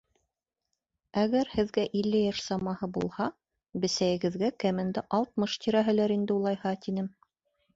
— Әгәр һеҙгә илле йәш самаһы булһа, бесәйегеҙгә кәмендә алтмыш тирәһелер инде улайһа, — тинем.